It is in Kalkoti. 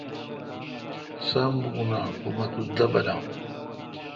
سم بون اں کہ مہ تو دبلام